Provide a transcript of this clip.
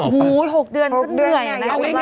หู๖เดือนคือเหนื่อยนะ